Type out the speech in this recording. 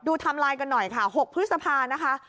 ไทม์ไลน์กันหน่อยค่ะ๖พฤษภานะคะ